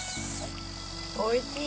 おいしい。